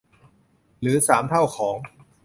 หรือสามเท่าของ